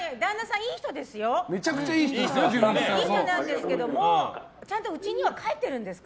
いい人なんですけどもちゃんと家に帰ってるんですか？